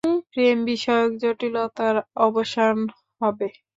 প্রেমবিষয়ক জটিলতার অবসান হবে।